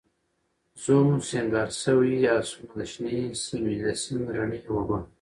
زوم، سینګار شوي آسونه، شنې سیمې، د سیند رڼې اوبه